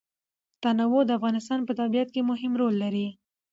تنوع د افغانستان په طبیعت کې مهم رول لري.